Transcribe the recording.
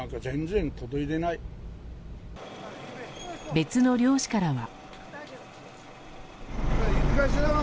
別の漁師からは。